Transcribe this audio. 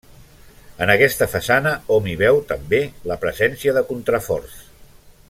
En aquesta façana hom hi veu, també, la presència de contraforts.